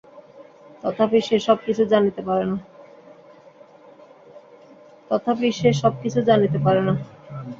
তথাপি সে সবকিছু জানিতে পারে না।